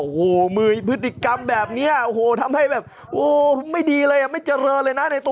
ออกมาก็หมื่นพฤติกรรมแบบนี้ทำให้แบบไม่ดีเลยไม่เจริญเลยไนตุ